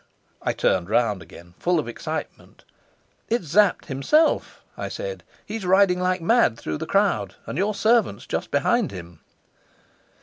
I turned round again, full of excitement. "It's Sapt himself!" I said. "He's riding like mad through the crowd, and your servant's just behind him."